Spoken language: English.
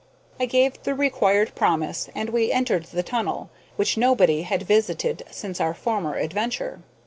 I gave the required promise, and we entered the tunnel, which nobody had visited since our former adventure.